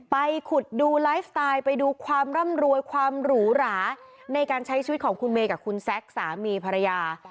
ไปขุดดูไลฟ์สไตล์ไปดูความร่ำรวยความหรูหราในการใช้ชีวิตของคุณเมย์กับคุณแซคสามีภรรยา